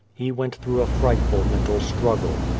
He went tlirough a frightful mental struggle.